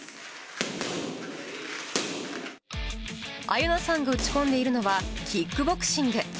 愛結菜さんが打ち込んでいるのはキックボクシング。